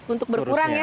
untuk berkurang ya